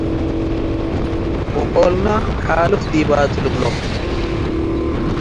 ወቆልነ ሓልፍ ዲበ ቱ ልብሎ ።